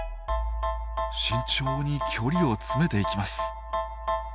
慎重に距離を詰めていきます。